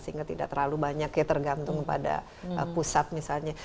sehingga tidak terlalu banyak ya tergantung pada pusat misalnya